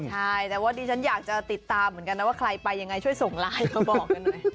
ใช่แต่ว่าดิฉันอยากจะติดตามเหมือนกันนะว่าใครไปยังไงช่วยส่งไลน์มาบอกกันหน่อย